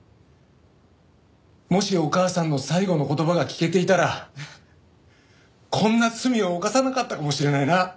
もしお母さんの最期の言葉が聞けていたらこんな罪を犯さなかったかもしれないな。